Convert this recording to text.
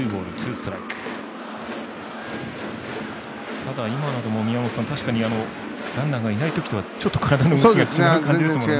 ただ、今などもランナーがいない時とはちょっと体の動きが違う感じですもんね。